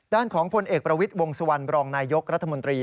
ด้านของพลเอกประวิทย์วงสุวรรณบรองนายยกรัฐมนตรี